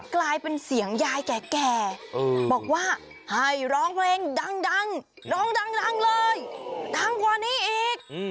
กลายเป็นเสียงยายแก่บอกว่าให้ร้องเพลงดังร้องดังเลยดังกว่านี้อีก